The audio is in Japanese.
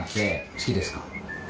好きです。